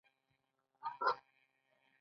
له بل پلوه پوهېږو چې پانګه وده کوي